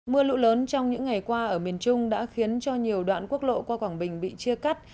mưa lũ lớn trong những ngày qua ở miền trung đã khiến cho nhiều đoạn quốc lộ qua quảng bình bị chia cắt